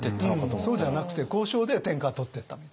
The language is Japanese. そうじゃなくて交渉で天下を取ってったみたい。